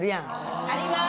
あります！